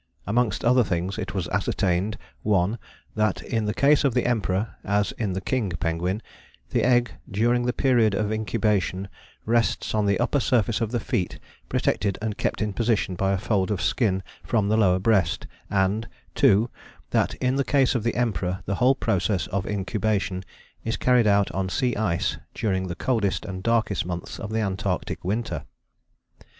Amongst other things it was ascertained (1) that in the case of the Emperor, as in the King Penguin, the egg during the period of incubation rests on the upper surface of the feet protected and kept in position by a fold of skin from the lower breast; and (2) that in the case of the Emperor the whole process of incubation is carried out on sea ice during the coldest and darkest months of the antarctic winter.